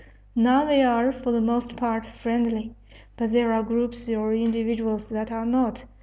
Now they are, for the most part, friendly. But there are groups or individuals that are not.